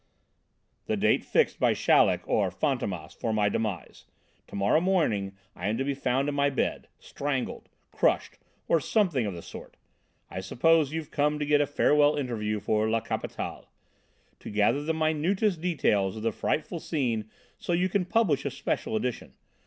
"The date fixed by Chaleck or Fantômas for my demise. To morrow morning I am to be found in my bed, strangled, crushed, or something of the sort. I suppose you've come to get a farewell interview for La Capitale. To gather the minutest details of the frightful crime so that you can publish a special edition.